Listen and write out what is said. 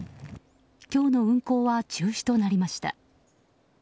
今日の運行は中止となりました。